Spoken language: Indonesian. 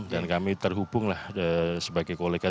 dan kami terhubunglah sebagai kolega